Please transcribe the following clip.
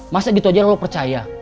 masa gitu aja lo percaya